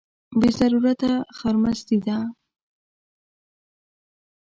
بې ضرورته خرمستي ده.